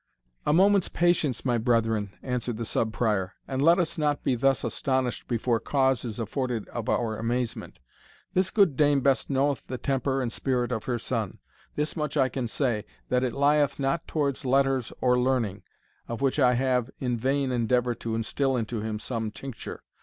"A moment's patience, my brethren," answered the Sub Prior, "and let us not be thus astonished before cause is afforded of our amazement. This good dame best knoweth the temper and spirit of her son this much I can say, that it lieth not towards letters or learning, of which I have in vain endeavoured to instil into him some tincture.